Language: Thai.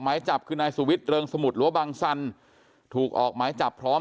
หมายจับคือนายสุวิทย์เริงสมุทรหรือว่าบังสันถูกออกหมายจับพร้อม